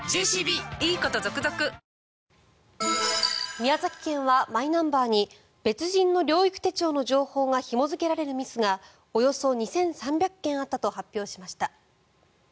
宮崎県はマイナンバーに別人の療育手帳の情報がひも付けられるミスがおよそ２３００件あったと発表しました。